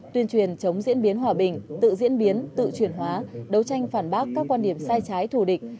tuyên truyền chống diễn biến hòa bình tự diễn biến tự chuyển hóa đấu tranh phản bác các quan điểm sai trái thù địch